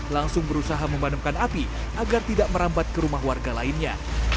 langsung berusaha memadamkan api agar tidak merambat ke rumah warga lainnya